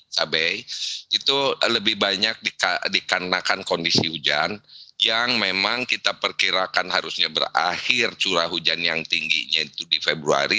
cabai itu lebih banyak dikarenakan kondisi hujan yang memang kita perkirakan harusnya berakhir curah hujan yang tingginya itu di februari